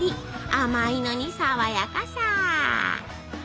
甘いのに爽やかさ。